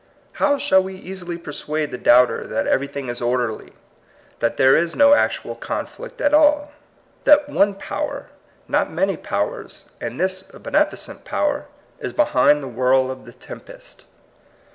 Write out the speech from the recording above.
How shall we easily persuade the doubter that every thing is orderly, that there is no actual conflict at all, that one Power, not many powers, and this a beneficent Power, is behind the whirl of the tempest?